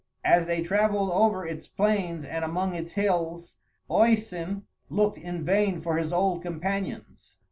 As they travelled over its plains and among its hills, Oisin looked in vain for his old companions.